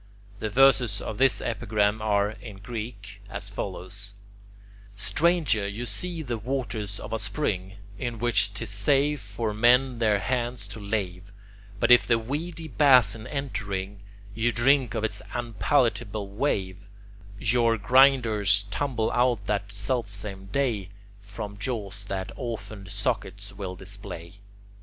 The verses of this epigram are, in Greek, as follows: Stranger, you see the waters of a spring In which 'tis safe for men their hands to lave; But if the weedy basin entering You drink of its unpalatable wave, Your grinders tumble out that self same day From jaws that orphaned sockets will display.